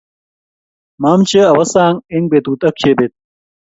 mamche awo sang eng petut ak jebet